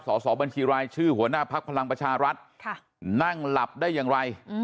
สอบบัญชีรายชื่อหัวหน้าภักดิ์พลังประชารัฐนั่งหลับได้อย่างไร